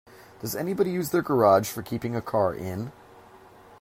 Does anybody use their garage for keeping a car in?